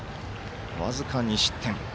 僅か２失点。